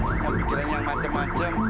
jangan mikirin yang macem macem